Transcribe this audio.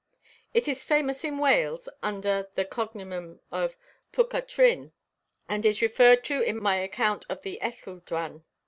It is famous in Wales under the cognomen of Pwca'r Trwyn, and is referred to in my account of the Ellylldan.